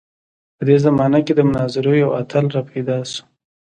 په دې زمانه کې د مناظرو یو اتل راپیدا شو.